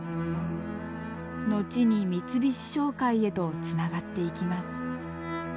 後に三菱商会へとつながっていきます。